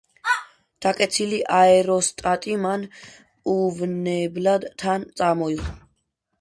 დაკეცილი აეროსტატი მან უვნებლად თან წამოიღო.